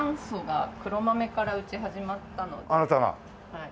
はい。